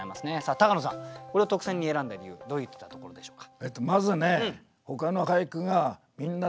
高野さんこれを特選に選んだ理由はどういったところでしょうか？